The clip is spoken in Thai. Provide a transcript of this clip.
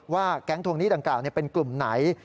แก๊งทวงหนี้ดังกล่าวเป็นกลุ่มไหน